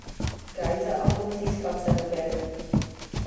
Guy za album získal cenu Grammy.